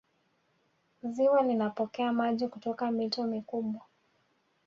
ziwa linapokea maji kutoka mito mikubwa